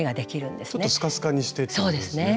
ちょっとスカスカにしてってことですね。